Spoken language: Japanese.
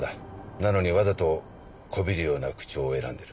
なのにわざと媚びるような口調を選んでる。